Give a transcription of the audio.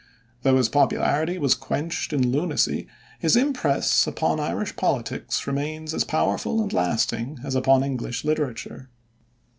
Though his popularity was quenched in lunacy, his impress upon Irish politics remains as powerful and lasting as upon English literature.